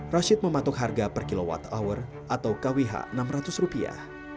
rashid mematok harga per kilowatt hour atau kwh enam ratus rupiah